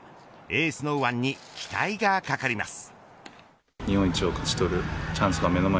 エースの右腕に期待がかかります。